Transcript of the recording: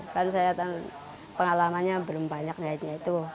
kan saya pengalamannya belum banyak naiknya itu